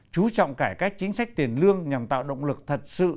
chú trọng cải cách chính sách tiền lương nhằm tạo động lực thật sự